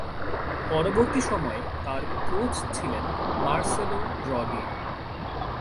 পরবর্তী সময়ে তার কোচ ছিলেন মার্সেলো ড্রডি।